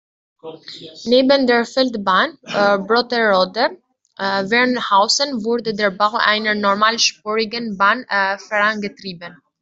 Neben der Feldbahn Brotterode–Wernshausen wurde der Bau einer normalspurigen Bahn vorangetrieben.